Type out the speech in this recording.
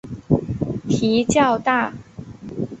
蹄较大。